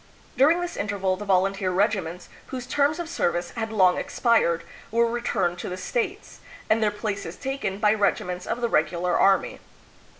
During this interval the volunteer regiments, whose terms of service had long expired, were returned to the States, and their places taken by regi ments of the regular army.